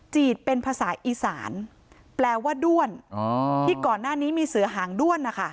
เป็นภาษาอีสานแปลว่าด้วนที่ก่อนหน้านี้มีเสือหางด้วนนะคะ